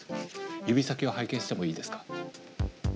指先を拝見してもいいですか？